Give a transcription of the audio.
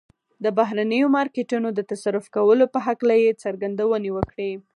د بهرنيو مارکيټونو د تصرف کولو په هکله يې څرګندونې وکړې.